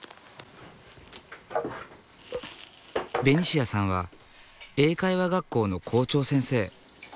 ベニシアさんは英会話学校の校長先生。